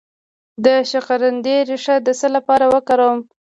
د شکرقندي ریښه د څه لپاره وکاروم؟